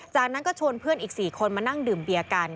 จากนั้นก็ชวนเพื่อนอีก๔คนมานั่งดื่มเบียร์กัน